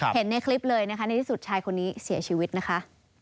เห็นในคลิปเลยนะคะในที่สุดชายคนนี้เสียชีวิตนะคะ